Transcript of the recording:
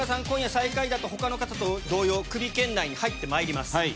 今夜最下位だと他の方と同様クビ圏内に入ってまいります。